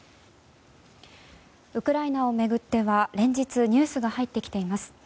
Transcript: ウクライナを巡っては連日ニュースが入ってきています。